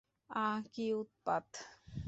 আঃ, কী উৎপাত!